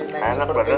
neng seperti ini